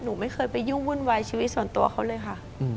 หนูไม่เคยไปยุ่งวุ่นวายชีวิตส่วนตัวเขาเลยค่ะ